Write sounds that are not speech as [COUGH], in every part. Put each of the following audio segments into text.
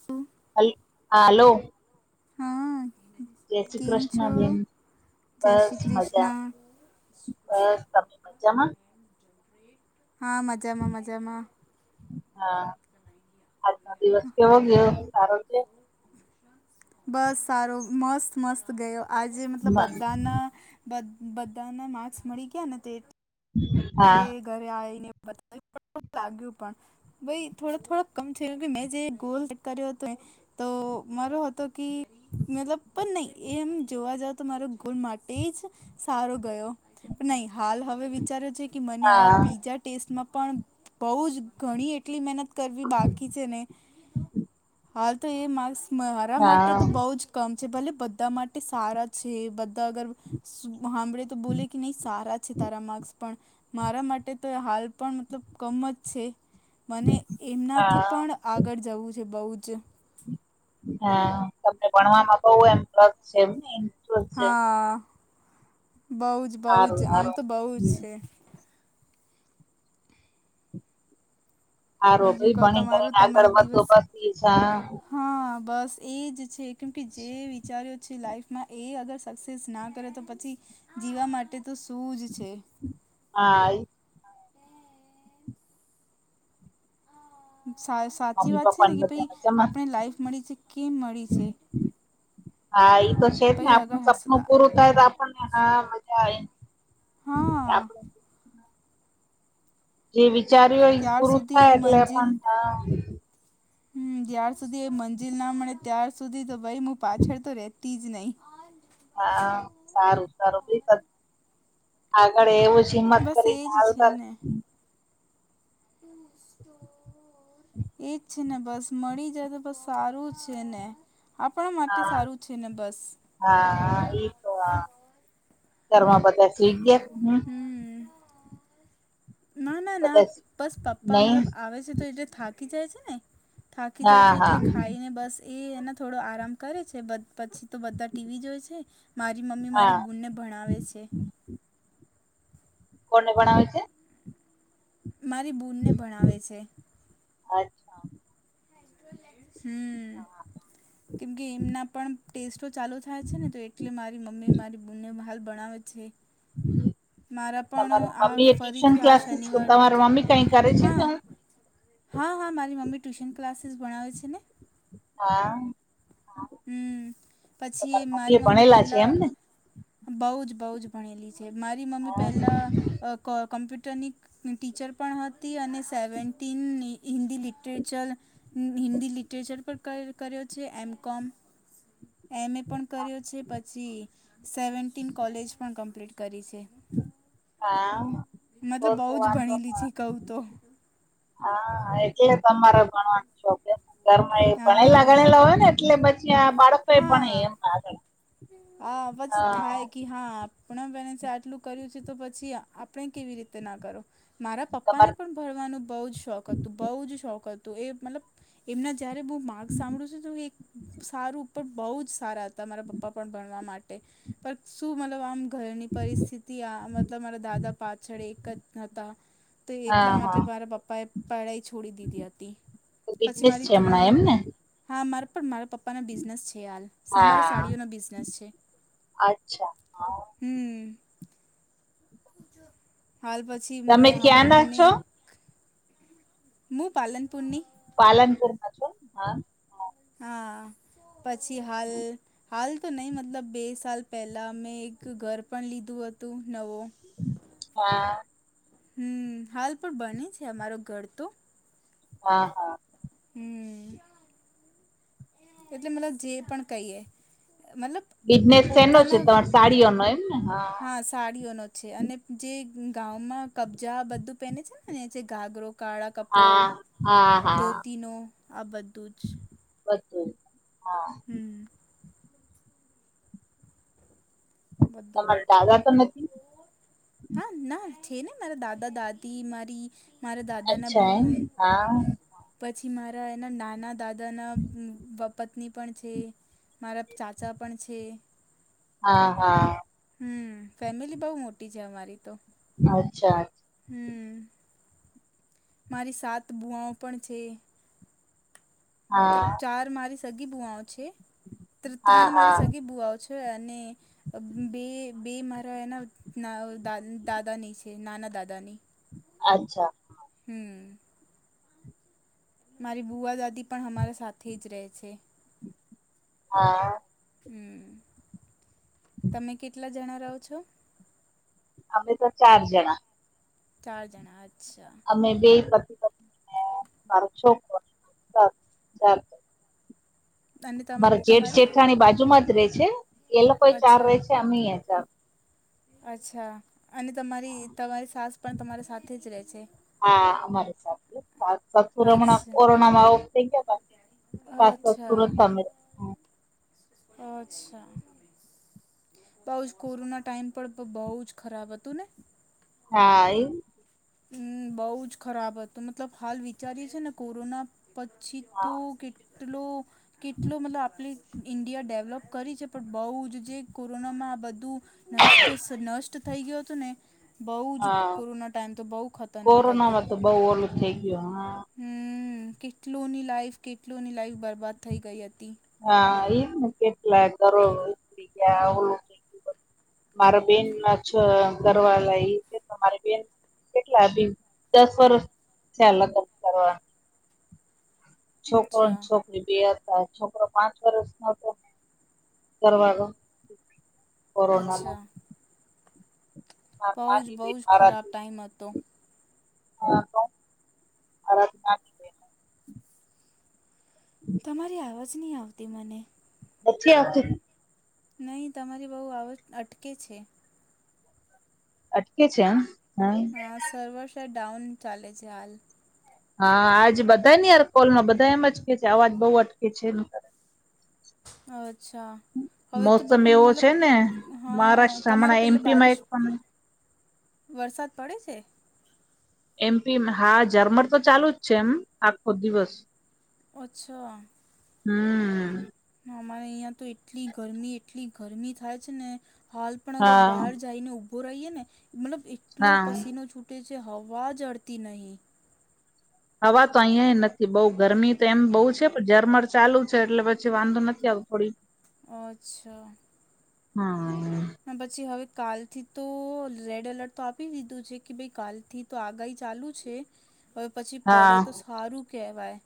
શું. અઈ હાલો. હા જય શ્રી કેમ કૃષ્ણ છો બેન, જય બસ શ્રી મજા. કૃષ્ણ બસ, તમે તજામાં? હા, મજામાં મજામાં. હા, આજનો દિવસ કેવો ગિયો? સારો છે? બસ સારો, મસ્ત મસ્ત ગયો, આજે મતલબ હા બધાન બ બધાના માર્ક્સ મળી ગયા ને તે. [INAUDIBLE] એટલે ઘરે આવીને બતાવી લાગ્યું પણ ભાઈ થોડો થોડોક કમ છે કે મેં જે ગોલ કર્યો હતો તો મારો હતો થી કે મતલબ પણ નઈ. એમ જોવા જાવ તો મારો ગોલ માટે જ સારો ગયો. નઈ હાલ હવે વિચારયો છે કે કે મને આ બીજા ટેસ્ટમાં પણ બોઉ જ ઘણી એટલી મહેનત કરવી બાકી છે ને હાલ તો એ માક્સ મારા માટે હા તો બઉ જ કમ છે ભલે બધા માટે સારા છે બધા અગર હાભળે તો બોલે કે નઈ સારા છે તારા માર્ક્સ પણ મારા માટે તો હાલ પણ મતલબ કમ જ છે મને એમનાથી હા પણ આગળ જવું છે બોઉ જ હા તમને ભણવામાં બોઉ એમ રસ છે એમને. હા, બઉ જ બઉ જ હારું આમ હારું તો બઉ જ છે. હારો બીજું ભઈ કહો ભણી તમારું ગણીને તમારો આગળ વધો તો દિવસ સુખી થા [UNINTELLIGIBLE] હા, બસ એ જ છે કેમ કે જે વિચાર્યુ છે લાઈફ માં એ અગર સક્સેસ ના કરે તો પછી જીવા માટે તો શું જ છે. હા એ હા. સાચી મમ્મી વાત છે પપ્પા ને કે ભાઈ બધા મજામાં આપણે લાઈફ મળી છે કેમ મળી છે. હા એ તો છે જ ને પહી અગર આપણનું સપનું પૂરું થાય તો આપ મજા આવે હા આપ જે વિચાર્યું એ ત્યાર પૂરું સુધી એ થાય એટલે પણ હા. હમ્મ જ્યાર સુધી એ મંજિલ ના મળે ત્યાર સુધી તો ભાઈ હું પાછળ તો રેતી જ નઈ. હા સારું સારું બી આગળ એવું જ હિંમત બસ કરીને એજ હાલ છે કર ને [INAUDIBLE] એજ છે ને બસ મળી જાય તો તો સારું છે ને. આપણા માટે હા સારું છે ને બસ. હા ઈ તો હા કરવા બધા સીટ ગયા. હમ ના ના ના બધા બસ પપ્પા નહી મતલબ આવે છે તો એટલે થાકી જાય છે ને થાકી જાય હા છે હા એટલે ખાઈને બસ એ એના થોડો આરામ કરે છે પછી તો બધા ટીવી જોઈ છે મારી મમ્મી મારી હા બૂલને ભણાવે છે. કોને ભણાવે છે. મારી બૂનને ભણાવે છે. હાજ હમ્મ હા કેમ કે એમના પણ ટેસ્ટો ચાલુ થાય છે ને તો એટલે મારી મમ્મી મારી બૂને હાલ ભણાવે છે. મારા [UNINTELLIGIBLE] પણ તમાર આ મમ્મી એ ટ્યુશન ફરીથી આ ક્લાસીસ તમાર શનિવારથી મમ્મી કઈ કરે છે. હા હા હા મારી મમ્મી ટ્યુશન ક્લાસીસ ભણાવે છે ને હા. હમ્મ તમારા પછી મારી એ મમ્મી ભણેલા છે પહેલાં એમને બહુ જ બહુ જ ભણેલી છે મારી મમ્મી હા પહેલાં અ ક કમ્પ્યુટરની ટીચર પણ હતી અને seventeen Hindi literature Hindi literature પર કર્યો છે એમ કોમ એમ એ પણ કર્યો છે પછી સેવન્ટીન કોલેજ પણ કમ્પ્લીટ કરી છે. હા તો મતલબ બઉ તો જ વાંધો ભણેલી છે કઉ તો હા એટલે તમારે ભણવાનું શોખને ઘર માં એ ભણેલા હા જ ગણેલા હોય ને એટલે પછી આ બાળકોએ ભણે હા એમ આગળ હા પછી હા થાય કે હા આપણા બને છે આટલું કર્યું છે તો પછી આપણે કેવી રીતે ના કરો મારા તમાર પપ્પાને પણ ભણવાનું બહુ જ શોખ હતું બઉ જ શોખ હતું એ મતલબ એમના જયારે બહુ માર્ક સાંભળું છેું તો એક સારું ઉપ બહુ જ સારા તમારા પપ્પા પણ ભણવા માટે પણ શું મતલબ આમ ઘરની પરિસ્થિતિ આ મતલબ મારા દાદા પાછળ એક જ હતા. તો હા એટલા માટે હા મારા પપ્પા એ પળાઈ છોડી દીધી હતી તો પછી બિઝનેસ મારી છે હમણાં ત્રણ એમને હા મારે પણ મારા પપ્પાને બિઝનેસ છે હાલ સમારો હા સાડીઓનો બિઝનેસ છે. અચ્છા હ હમ્મ. હાલ પછી મ તમે હમ હમ ક્યાં ના અમને છો એક હું પાલનપુરની પાલનપુરમાં છે હા હા પછી હાલ હાલ તો નહીં મતલબ બે સાલ પહેલા મેં એક ઘર પણ લીધું હતું નવો હા હમ્મ હાલ પણ બને છે અમારો ઘર તો. હા હા હમ્મ એટલે મતલબ જે પણ કહીએ મતલબ બિઝનેસ સેનો છે પોતાના તમાર સાડીઓનો એમ ને હા હા સાડીઓનો છે અને જે ગામમાં કબજા બધું પહેને છે ને જે ઘાગરો કાળા કપડો હા હા હા ધોતીનો આ બધું જ બધું હા હમ બધું તમારા બધું દાદા તો નથી હા ના છે ને મારા દાદા દાદી મારી મારા દાદાનાં અચ્છા એમ બૂન હા પછી મારા એના નાના દાદાના પત્ની પણ છે. મારા ચાચા પણ છે. હા હા હમ્મ ફેમિલી બહુ મોટી છે અમારી તો. અચ્છા. હમ્મ. મારી સાત બુઆઓ પણ છે. તો હા ચાર મારી સગી બુવાઓ છે તો હા ત્રણ હા મારી સગી બુઆઓ છે અને બે બે મારા એના દાદાની છે નાના દાદાની. અચ્છા. હમ્મ. મારી બુવા દાદી પણ અમારા સાથે જ રહે છે. હા. હમ્મ તમે કેટલા જણા રહો છો? અમે તો ચાર જણા. ચાર જણા અચ્છા. અમે બે પતિ પત્ની ને મારો છોકરો [UNINTELLIGIBLE] અને તમ મારે જેઠ તમારી જેઠાની બાજુમાં જ રે છે એ લોકો ચાર અચ્છા રે છે અમે ચાર. અચ્છા. અને તમારી તમારી સાસ પણ તમારી સાથે જ રહે છે. હા અમારે સાથે. સા સસુર હમણાં અચ્છા કોરોના માં ઓફ થઈ ગયા ને સાસ સસુર અચ્છા હતા અમે અચ્છા. બઉ જ કોરોના ટાઈઇમ પણ બઉુ જ ખરાબ હતું ને હા એ હમ બહુ જ ખરાબ હતું મતલબ હાલ વિચારીએી ને કોરોના પછી તો હા કેટલો કેટલો મતલબ આપણે ઇન્ડિયા ડેવલોપ કરી છે પણ બહુ જ જે કોરોનામાં આ બધું નષ્ટ નષ્ટ થઈ ગયો હતોું ને બહુ જ હા કોરોના ટાઈમ તો બહુ ખતરનાક હતુ કોરોનામાં તો બહુ ઓલું થઈ ગયુ, હા. હમ કેટલોની લાઈફ કેટલોની લાઈફ બરબાદ થઈ ગઈ હતી. હા એવને કેટલા ગરવુ મારા બેન ઘરવા છે મારી બેન કેટલાી દસ વર્ષ થયા લગ્ન કરવા છોકરો અચ્છા છોક બે હતા છોકરો પાંચ વર્ષ ન હતો, ગો અચ્છા આ બહુ જ આતી પ બહુ જ આરાચ ખરાબ ટાઈમ હતો [UNINTELLIGIBLE] તમારી અવાજ નહી આવતી મને મ આ નહીં તમારી બહુ આવક અટકે છે. અટકે છે આ હા સર્વર શહે ડાઉન ચાલે છે, હાલ. હા આજ બધા ની યાર કોલ નો બધા એમ જ કે છે અવાજ બહુ અટકે છે, એ કર. અચ્છા હવે તો બ મોસમ એવો મતલબ છે ને હા, મહારાષ્ટ્ર તમારે હમણાં પેલે એમપીમાં બારિશ એક પણ વરસાદ પડે છે. એમપી હા જર્મન તો ચાલુ જ છે, એમ આખો દિવસ ઓછા હમ્મ અમારે અહિયાં તો એટલી ગરમી એટલી ગરમી થાય છેને. હાલ પણ અગર હા બહાર જઈને ઉઊભો રહીએ ને મતલબ એટલો હા પસીનો છૂટ. જે હવા જડતી નહી હવા તો અહિયાં નથી બઉુ ગરમી તો એમ બહુ છે પણ ઝરમર ચાલુ છે, એટલે પછી વાંધો નથી આવતો પ અચ્છા હા પછી હવે કાલથી તો રેડ એલર્ટ તો આપી દીધું છે કે ભાઈ કાલથી. તો આગાહી ચાલુ છે, હવે પછી પડે હા તો સારું કહેવાય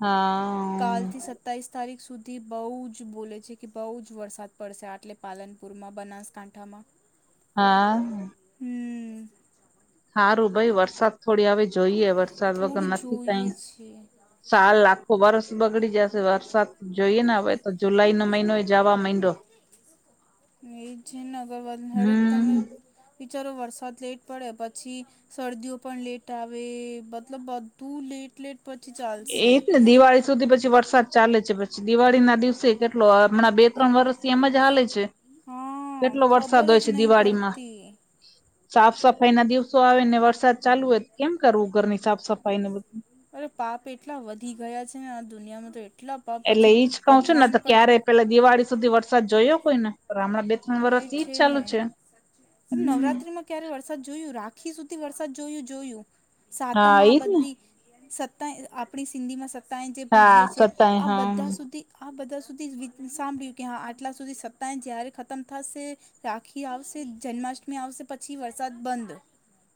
હા કાલ થી સતાવીસ તારીખ સુધી બહુ જ બોલે છે કે બહુ જ વરસાદ પડશે આટલે પાલનપુરમાં બનાસકાંઠામા હા હમ્મ સારું ભાઈ વરસાદ થોડી હવે જોઈએ વરસાદ વગર થોડું નથી કઈ જોઈએ છે સાાલ લાખો બારસ બગડી જ વરસાદ જોઈએ ને હવે તો જુલાઈ નો મહિનો જવા મહિડો એ છેને અગરવાલ હેડુ તમે હમ વિચારો વરસાદ લેટ પડે પછી શરદીઓ પણ લેટ આવે મતલબ બધું લેટ લેટ પછી ચાર એ જ ને દિવાળી સુધી પછી વરસાદ ચાલે છે પછી દિવાળી ના દિવસે કેટલો હમણાં બે ત્રણ વર્ષથી એમ જ હાલે છે. હા કેટલો વરસાદ ખબર હોય જ છે નહીં દિવાળીમાં. પડતી સાફ સફાઈ ના દિવસો આવે ને વરસાદ ચાલુ હોય કેમ કરવું ઘરની સાફ સફાઈ ને બધું? અરે પાપ એટલા વધી ગયા છે ને આ દુનિયામાં તો એટલા પાપ પછી ભગવાન પણ પેહલા દિવાળી સુધી વરસાદ જોયો કોઈ ને રામડા બેન એ છે ને અને નવરાત્રીમાં ક્યારે વરસાદ જોયું, રાખી સુધી વરસાદ જોયું જોયું, હા સાતમ આ એજ ને બધી સત્તા એ આપણી સિંધી માં સત્તાય જે હા પૂજીએ છીએ સતાય આ હા બધા સુધી આ બધા સુધી વિ સાંભળ્યું કે હા આટલા સુધી સત્તા જ્યાંરે ખત્ મ થશે રાખી આવશે, જન્માષ્ટમી આવશે પછી વરસાદ બંધ.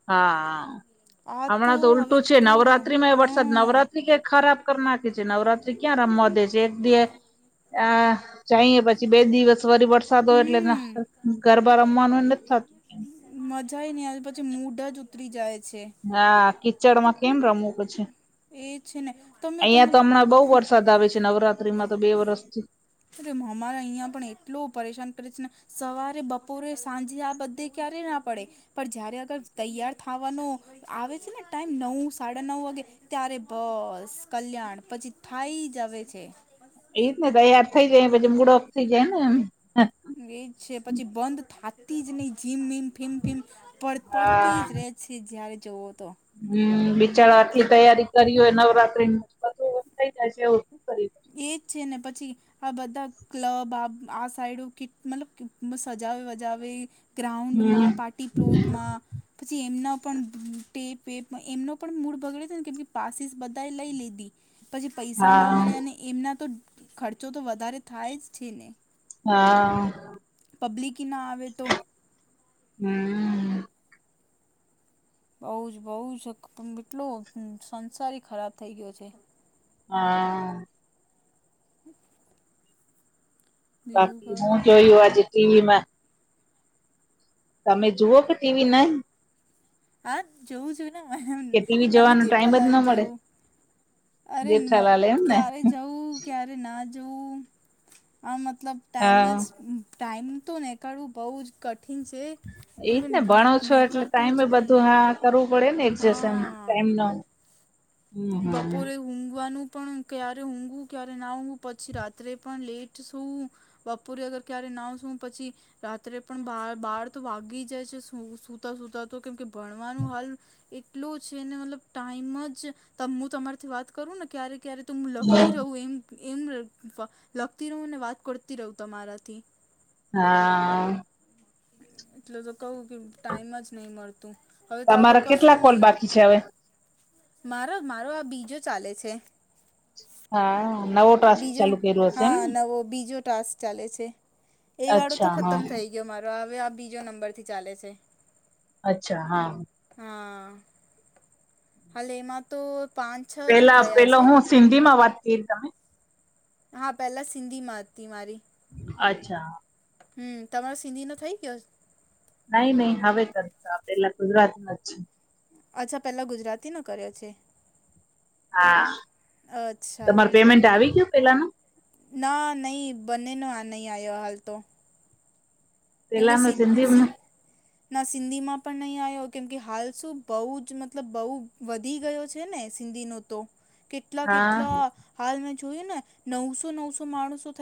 હા, હા. આ હમણાં તો હવે ઉલટું છે તો નવરાત્રી માંય વરસાદ હા નવરાત્રી કઇ ખરાબ કર નાખે છે નવરાત્રી ક્યાં રમવા દે છે એક દી આ ચઈએ પછી બે દિવસ વરી વર સાદ એટલે હમ ગરબા રમવાનું નથી થતું. મજાહી નહીં આવી પછી મૂડ જ ઉતરી જાય છે. હા, કીચડમાં કેમ રમું પછી એ છે ને તમે તમે અહિયાં તો હમણાં બહુ વરસાદ આવે છે નવરાત્રીમાં તો બે વરષથી. એલે અમારે અહીંયા પણ એટલું પરેશાન કરે છે ને સવારે, બપોરે, સાંજે આ બધે ક્યારે ના પડે પણ જયારે અગર તૈયાર થવાનો આવે છે ને ટાઈમ નવ સાડા નવ વાગે ત્યારે બસ કલ્યાણ પછી થાઈ જ આવે છે. એઈ જ ને તૈયાર થઈ જાય પછી મુળ ઑફ થઈ જાય ને એમ. એજ છે પછી બંધ થાતી જ નહી જીમ-વીમ, ફિમ-ફીમ પડ પડતી જ રે છે જ્યારે જોવો તો. હમ્મ, બિચાર આટલી તૈયારી કરી હોય નવરાત્રી બધું થઈ જાય છે એવું શું કરીયે. એજ છે ને પછી આ બધા ક્લબ આ પ આ સાઈડ કેટ મતલબ કે સજાવે-વજાવે ગ્રાઉન્ડમાં, હમ પાર્ટી પ્લોટમાં પછી એમના પણ ટેપ વેપ એમનો પણ મૂળ ભગડે છે ને કેમ કે પાસીસ બધા લઈ લીધી પછી પૈસા ના હા મળ્યા અને એમના તો ખર્ચો તો વધારે થાય જ છે ને. હા આ આ. પબ્લિકીના આવે તો હમ્મમ. બઉ જ બઉ જ એકદમ કેટલો સંસારી ખરાબ થઇ ગયો છે. હાઆઆ હા બાકી હું જોયુું આજે ટીવીમાં તમે જુઓ કે ટીવી નહી? હા જોવું છું ના હું એમ કે ટીવી મતલબ જોવાનો ટાઈમ જ જેઠાલાલ ન મળે જોવું અરે મ જેઠાલાલ એમ ને ક્યારે જવું ક્યારે ના જવું આ મતલબ ટાઈમ હા જ ટાઈમ તો નેકાળવું બહુ જ કઠિન છે. તે એજ મેં ને ભણો નીક- છો એટલે નીકળતું જ ટાઈમે નહીં બધું હા આ કરવું પડે ને એક્જેશન હા ટાઈમ નો હમ હમ બપોરે ઊંઘવાનું પણ ક્યારે ઊઘું, ક્યારે ના ઊઘું પછી રાત્રે પણ લેટ સૂવું બપોરે અગર ક્યારે ના સૂવું પછી રાત્રે પણ બાર બાર તો વાગી જાય છે સૂ સૂતા તો કેમકે ભણવાનું હાલ એટલું છે ને મતલબ ટાઈમ જ તમ હું તમારીથી વાત કરું ને ક્યારે ક્યારે તો હું લખતી રહું એમ એમ ર ફ લખતી રહું ને વાત કરતી રહું તમારાથી. હા એટલે તો કહું કે ટાઈમ જ નહી મળતુ હવે તો આ તો તમારા કેટલા કશું કોલ નહી, બાકી છે હવે મારો મારો આ બીજો ચાલે છે. હા નવ બીજો હા નવો બીજો ટાસ્ક ચાલે છે એ વાળો તો અચ્છા હા ખતમ થઈ ગયો. મારો હવે આ બીજો નંબર થી ચાલે છે. અચ્છા હા હા હાલે એમાં તો પાંચ છ જ પેલા થયા પેલો છે હું સિંધી માં વાત કરી તમે હા પેલા સિંધીમા હતી મારી અચ્છા હમ તમારો સિંધી નો થઇ ગયો. નહી નહી હવે કરશ આપેલા ગુજરાતમા જ અચ્છા પેલા ગુજરાતી ન કર્યો છે. હા અચ્છા તમાર પેમેન્ટ આવી ગયયો, પેલાનો ના નહીં બંને ન આ નહી આવ્યો, હાલ તો કેમ કે પેલાનું સીસી સિંધીમાં ના સિંધીમાં પણ નહીં આવ્યો કેમ કે હાલ શું બહુ જ મતલબ બહુ વધી ગયો છેને, સિંધીનો કેટલા હા કેટલા હાલ મેં જોયું ને નવસો નવસો માણસો થ